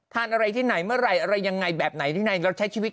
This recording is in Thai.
ทานอะไรที่ไหนเมื่อไหร่อะไรยังไงแบบไหนที่ไหนเราใช้ชีวิต